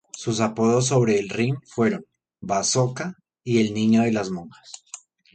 Sus apodos sobre el ring fueron "Bazooka" y "El niño de Las Monjas".